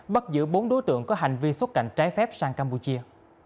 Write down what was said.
bắt giữ bốn đối tượng có hành vi xuất cảnh trái phép sang campuchia